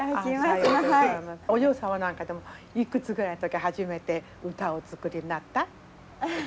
お嬢様なんかでもいくつぐらいの時初めて歌をお作りになった？